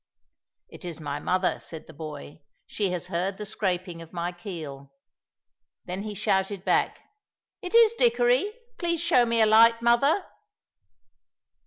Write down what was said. "It is my mother," said the boy; "she has heard the scraping of my keel." Then he shouted back, "It is Dickory; please show me a light, mother!"